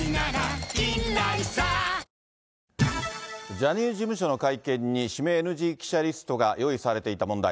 ジャニーズ事務所の会見に、指名ＮＧ記者リストが用意されていた問題。